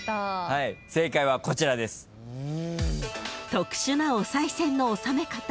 ［特殊なおさい銭の納め方］